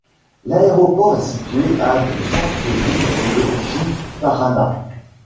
L'aéroport est situé à du centre-ville de Ji-Paraná.